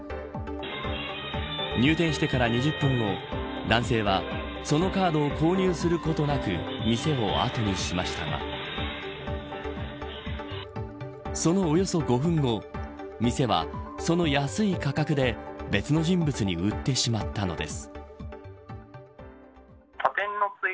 入店してから２０分後男性は、そのカードを購入することなく店を後にしましたがそのおよそ５分後店はその安い価格で別の人物に売ってしまったのです。